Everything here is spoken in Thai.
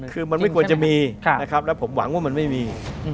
คือมันไม่ควรจะมีนะครับแล้วผมหวังว่ามันไม่มี